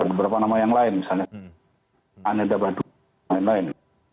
ada beberapa nama yang lain misalnya aneda badu dan lain lain